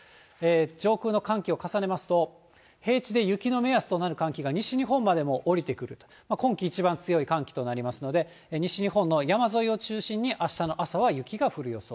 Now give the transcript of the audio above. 上空の寒気を重ねますと、平地で雪の目安となる寒気が西日本までも下りてくるという、今季一番強い寒気となりますので、西日本の山沿いを中心に、あしたの朝は雪が降る予想。